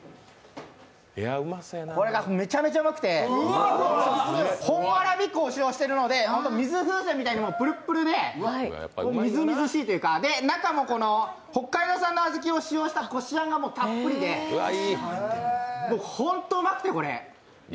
これがめちゃめちゃうまくて本わらび粉を使用しているので水風船みたいにプルプルでみずみずしいというか、中も北海道産の小豆を使用したこしあんがたっぷりでホントうまくて、これ。